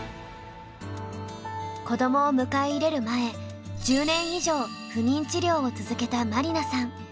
子どもを迎え入れる前１０年以上不妊治療を続けた麻里奈さん。